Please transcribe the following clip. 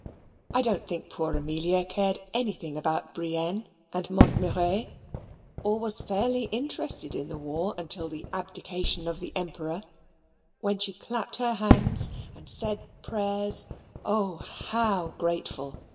I don't think poor Amelia cared anything about Brienne and Montmirail, or was fairly interested in the war until the abdication of the Emperor; when she clapped her hands and said prayers oh, how grateful!